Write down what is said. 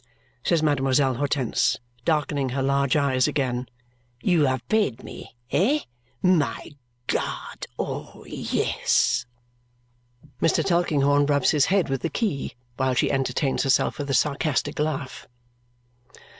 says Mademoiselle Hortense, darkening her large eyes again. "You have paid me? Eh, my God, oh yes!" Mr. Tulkinghorn rubs his head with the key while she entertains herself with a sarcastic laugh.